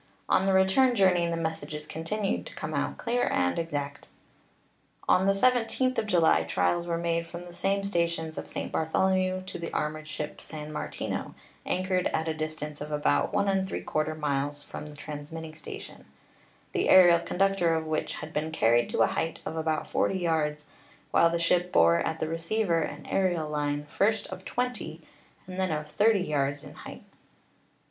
On the return journey the messages continued to come out clear and exact. On the 17th of July trials were made from the same stations of St. Bartholomew to the armored ship San Martino, anchored at a distance of about i}i miles from the transmitting station, the aerial conductor of which had been carried to a height of about 40 yards, while the WIRELESS TELEGRAPHY 321 ship bore at the receiver an aerial line, first of 20, and then of 30 yards in height.